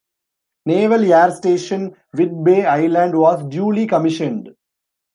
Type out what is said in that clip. Naval Air Station Whidbey Island was duly commissioned.